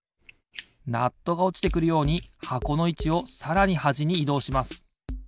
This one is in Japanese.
ナットがおちてくるように箱のいちをさらにはじにいどうします。